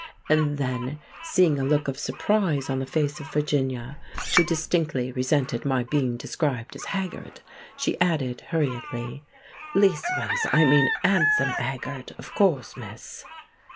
And then, seeing a look of surprise on the face of Virginia—who distinctly resented my being described as haggard—she added hurriedly, "Leastways, I mean 'andsome 'aggard, of course, miss."